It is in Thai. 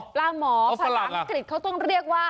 ปลาหมอภาษาอังกฤษเขาต้องเรียกว่า